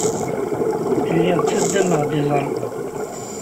Lliɣ ttaddameɣ-d iẓra.